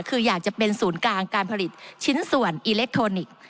คืออยากจะเป็นศูนย์กลางการผลิตชิ้นส่วนอิเล็กทรอนิกส์